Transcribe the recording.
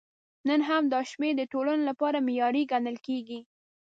نن هم دا شمېر د ټولنو لپاره معیاري ګڼل کېږي.